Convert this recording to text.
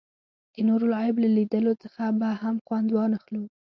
د نورو له عیب له لیدلو څخه به هم خوند وانخلو.